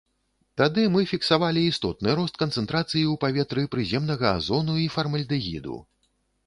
Тады мы фіксавалі істотны рост канцэнтрацыі ў паветры прыземнага азону і фармальдэгіду.